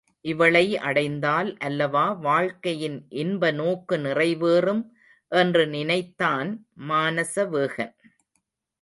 இவளை அடைந்தால் அல்லவா வாழ்க்கையின் இன்பநோக்கு நிறைவேறும் என்று நினைத்தான் மானசவேகன்.